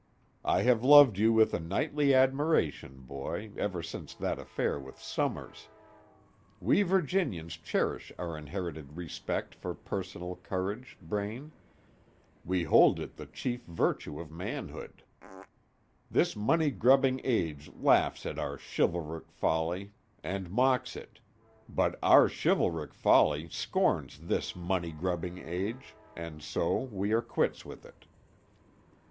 I have loved you with a knightly admiration, boy, ever since that affair with Summers. We Virginians cherish our inherited respect for personal courage, Braine. We hold it the chief virtue of manhood. This money grubbing age laughs at our chivalric folly and mocks it; but our chivalric folly scorns this money grubbing age, and so we are quits with it."